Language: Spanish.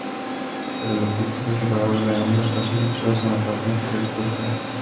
El holotipo preservado de la hembra está fosilizado con su parte inferior expuesta.